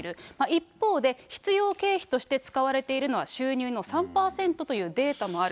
一方で、必要経費として使われているのは収入の３％というデータもある。